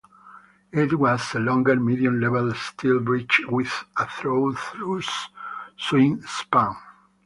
It was a longer, medium-level steel bridge with a through truss swing span.